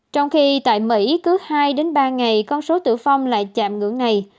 trong khi tại mỹ cứ hai ba ngày con số tử vong lại chạm ngưỡng này